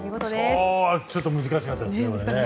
今日はちょっと難しかったですね。